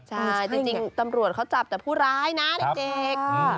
ใช่จริงตำรวจเขาจับแต่ผู้ร้ายนะเด็ก